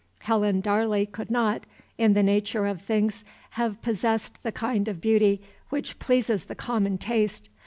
Helen Darley could not, in the nature of things, have possessed the kind of beauty which pleases the common taste.